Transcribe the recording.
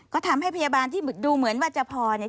ก็ทำให้พยาบาลที่ดูเหมือนว่าจะพอเนี่ย